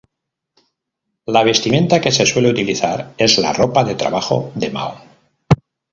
La vestimenta que se suele utilizar es la ropa de trabajo de mahón.